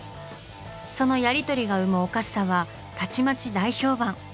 そのやりとりが生むおかしさはたちまち大評判。